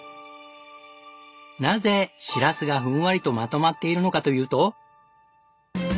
なぜシラスがふんわりとまとまっているのかというと。